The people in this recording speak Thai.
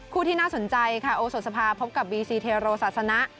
ที่น่าสนใจค่ะโอโสสภาพบกับบีซีเทโรศาสนะ